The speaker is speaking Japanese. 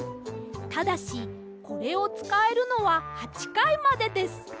ただしこれをつかえるのは８かいまでです。